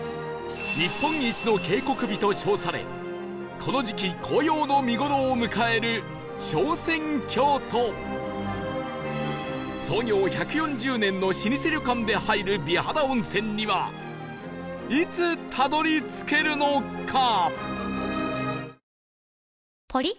日本一の渓谷美と称されこの時期紅葉の見頃を迎える昇仙峡と創業１４０年の老舗旅館で入る美肌温泉にはいつたどり着けるのか？